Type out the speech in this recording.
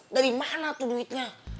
dari mana tuh duitnya